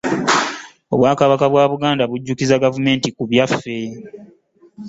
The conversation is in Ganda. Obwakabaka bwa Buganda bujjukizza gavumenti ku byaffe.